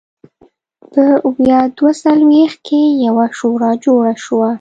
په ویا دوه څلوېښت کې یوه شورا جوړه شوه.